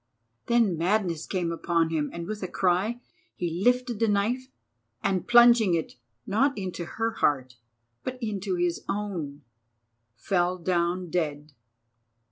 Then madness came upon him, and with a cry he lifted the knife, and plunging it, not into her heart, but into his own, fell down dead.